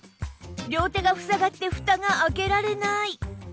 両手が塞がってフタが開けられない